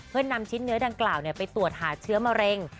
เพื่อนำชิ้นเนื้อดังกล่าวไปตรวจหาเชื้อมะเร็ง